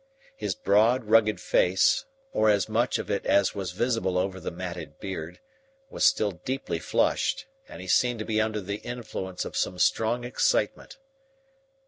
His broad, rugged face, or as much of it as was visible over the matted beard, was still deeply flushed, and he seemed to be under the influence of some strong excitement.